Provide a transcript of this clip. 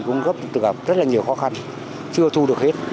cũng gặp rất là nhiều khó khăn chưa thu được hết